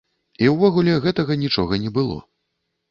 І ўвогуле гэтага нічога не было.